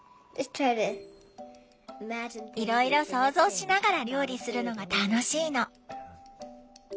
いろいろ想像しながら料理するのが楽しいの。